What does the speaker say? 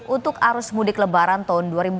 untuk arus mudik lebaran tahun dua ribu dua puluh